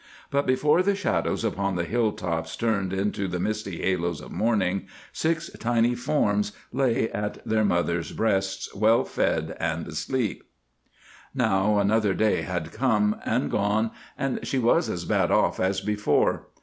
But before the shadows upon the hill tops turned into the misty halos of morning, six tiny forms lay at their mother's breasts, well fed and asleep. Now another day had come and gone, and she was as bad off as before.